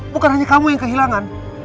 bukan hanya kamu yang kehilangan